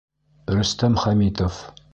Рөстәм Хәмитов: